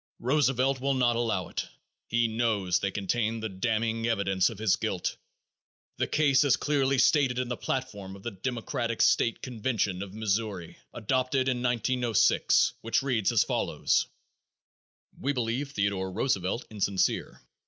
Roosevelt will not allow it; he knows they contain the damning evidence of his guilt. The case is clearly stated in the platform of the Democratic state convention of Missouri, adopted in 1906, which reads as follows: "We believe Theodore Roosevelt insincere.